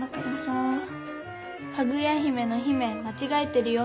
「かぐや姫」の「姫」まちがえてるよ。